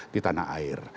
di tanah air